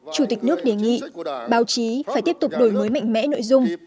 chủ tịch nước đề nghị báo chí phải tiếp tục đổi mới mạnh mẽ nội dung